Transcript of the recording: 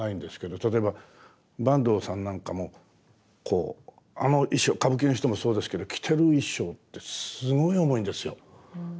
例えば坂東さんなんかもあの衣装歌舞伎の人もそうですけど着てる衣装ってすごい重いんですよ。